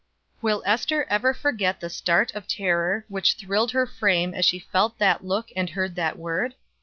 Will Ester ever forget the start of terror which thrilled her frame as she felt that look and heard that word?